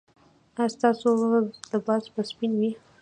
ایا ستاسو لباس به سپین وي؟